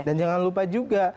dan jangan lupa juga